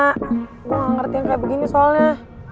kok gak ngerti kayak begini soalnya